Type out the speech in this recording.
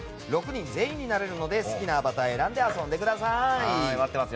６人全員になれるので好きなアバターを選んで遊んでください。